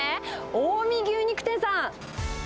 近江牛肉店さん。